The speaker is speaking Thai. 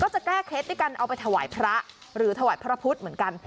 จะแก้เคล็ดด้วยการเอาไปถวายพระหรือถวายพระพุทธเหมือนกัน